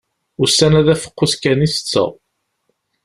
Ussan-a d afeqqus kan i tetteɣ.